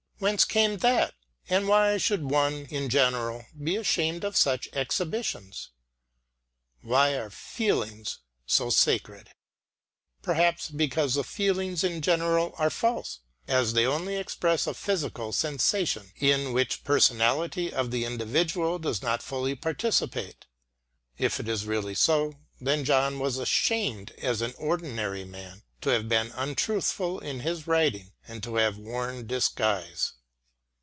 Whence came that? And why should one in general be ashamed of such exhibitions? Why are the feelings so sacred? Perhaps because the feelings in general are false, as they only express a physical sensation, in which personality of the individual does not fully participate. If it is really so, then John was ashamed as an ordinary man, to have been untruthful in his writing and to have worn disguise.